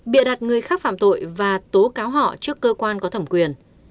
bịa đặt người khác phạm tội và tố cáo họ trước cơ quan có thẩm quyền